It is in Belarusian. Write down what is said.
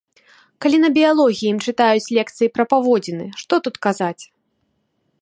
Калі на біялогіі ім чытаюць лекцыі пра паводзіны, што тут казаць?